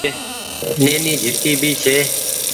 نيني جهرڪي ڀي ڇي۔